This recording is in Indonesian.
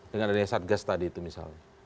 dengan adanya satgas tadi itu misalnya